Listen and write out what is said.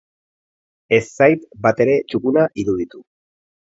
Ez zait batere txukuna iruditu.